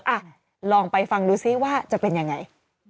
อ่ะลองไปฟังดูซิว่าจะเป็นยังไง